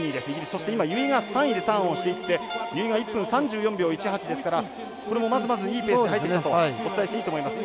そして今、由井が３位でターンをしていって由井が１分３４秒１８ですからこれもまずまずいいペースで入ってきたとお伝えしていいと思います。